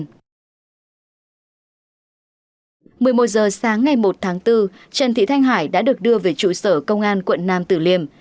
một mươi một h sáng ngày một tháng bốn trần thị thanh hải đã được đưa về trụ sở công an quận nam tử liêm